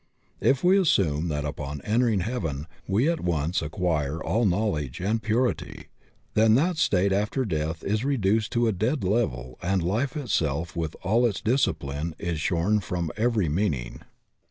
If we assume that upon entering heaven we at once acquire all knowledge and purity, then that state after death is reduced to a dead level and life itself with all its dis cipline is shorn of every meaning.